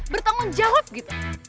bertanggung jawab gitu